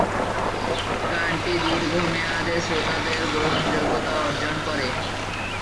গানটি দীর্ঘমেয়াদে শ্রোতাদের গ্রহণযোগ্যতা অর্জন করে।